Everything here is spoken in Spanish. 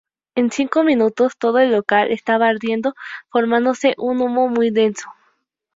En cinco minutos todo el local estaba ardiendo, formándose un humo muy denso.